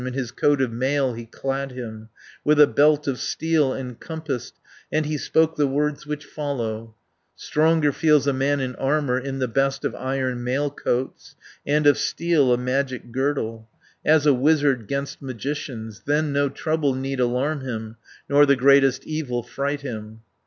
In his coat of mail he clad him, With a belt of steel encompassed, And he spoke the words which follow: 220 "Stronger feels a man in armour, In the best of iron mail coats, And of steel a magic girdle, As a wizard 'gainst magicians. Then no trouble need alarm him, Nor the greatest evil fright him."